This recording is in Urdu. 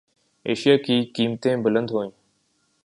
اشیا کی قیمتیں بلند ہوئیں